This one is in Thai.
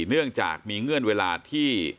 เนื่องจากมีเงื่อนเวลาที่